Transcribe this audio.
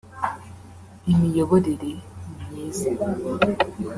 imiyoborere myiza